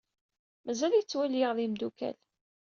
Mazal yettwali-aɣ d imeddukal.